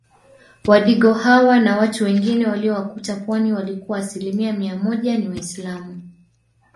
Wadigo hawa na watu wengine waliowakuta pwani walikuwa asilimia mia moja ni waislamu